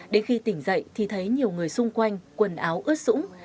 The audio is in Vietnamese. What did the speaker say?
đến khi tỉnh dậy thì thấy nhiều người xung quanh quần áo ướt sũng